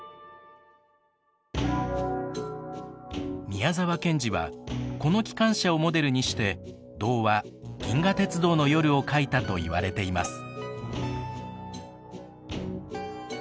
宮沢賢治はこの機関車をモデルにして童話「銀河鉄道の夜」を書いたといわれています。